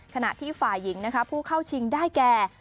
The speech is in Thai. ขณะที่ฝ่ายิงผู้เข้าชิงได้แก่